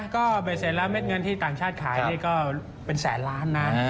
ก็เบ็ดเสร็จแล้วเม็ดเงินที่ต่างชาติขายนี่ก็เป็นแสนล้านนะ